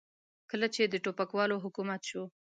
کله چې د ټوپکوالو حکومت شو.